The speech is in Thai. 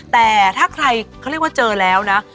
แต่ถ้าใครเขาเรียกว่าเจอแล้วนะ